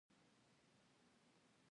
د میرمنو کار د کار فرصتونه زیاتوي.